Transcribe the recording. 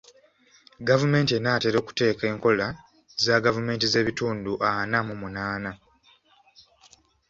Gavumenti enaatera okuteeka enkola za gavumenti z'ebitundu ana mu munaana.